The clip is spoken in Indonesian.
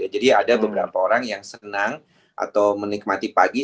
jadi ada beberapa orang yang senang atau menikmati pagi